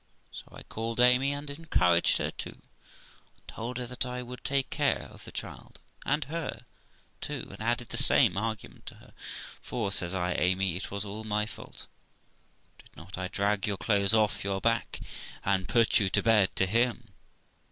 So 1 called Amy, and encouraged her too, and told her that I would take care of the child and her too, and added the same argument to her. ' For ', says I, ' Amy, it was all my fault. Did not I drag your clothes off your back, and put you to bed to him